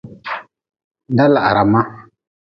Da lahra ma.